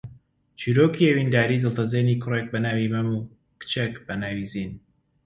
چیرۆکی ئەوینداریی دڵتەزێنی کوڕێک بە ناوی مەم و کچێک بە ناوی زین